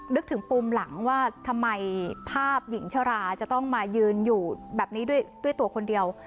นึกถึงปุ่มหลังว่าทำไมภาพหญิงชราจะต้องมายืนอยู่แบบนี้ด้วยตัวคนเดียว